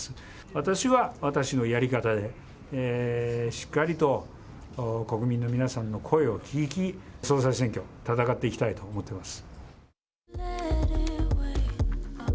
私は私のやり方で、しっかりと国民の皆さんの声を聞き、総裁選挙、戦っていきたいと思ってます。